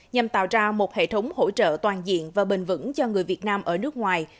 nhằm tạo ra một hệ thống hỗ trợ toàn diện và bền vững cho người việt nam ở nước ngoài